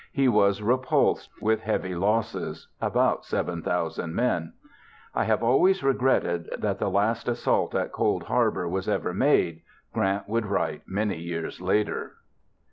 He was repulsed with heavy losses—about 7,000 men. "I have always regretted that the last assault at Cold Harbor was ever made," Grant would write many years later.